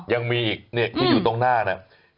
ยังมีอีกเนี่ยที่อยู่ตรงหน้าเนี่ย